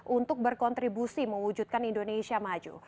untuk berkontribusi mewujudkan indonesia maju